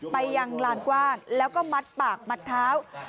ไปยังลานกว้างแล้วก็มัดปากมัดเท้า